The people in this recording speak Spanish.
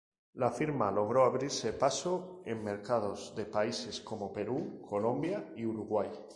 La firma logró abrirse paso en mercados de países como Perú Colombia y Uruguay.